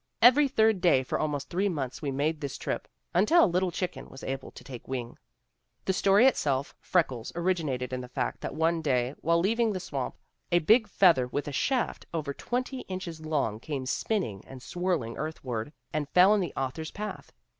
Every third day for almost three months we made this trip, until Little Chicken was able to take wing/ ' The story itself Freckles originated in the fact that one day, while leaving the swamp, a big feather with a shaft over twenty inches long came spinning and swirling earthward and fell in the author's path.